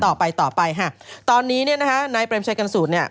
ต่อไปต่อไปค่ะตอนนี้เนี่ยนะคะนายเปรมชัยกันสูตรเนี่ย